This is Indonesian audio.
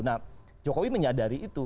nah jokowi menyadari itu